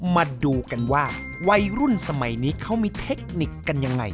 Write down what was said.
มาดูกันว่าวัยรุ่นสมัยนี้เขามีเทคนิคกันยังไง